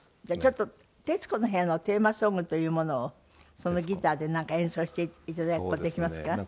じゃあちょっと『徹子の部屋』のテーマソングというものをそのギターでなんか演奏して頂く事できますか？